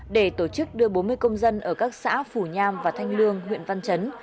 để tổ chức đưa bốn mươi công dân ở các xã phủ nham và thanh lương huyện văn chấn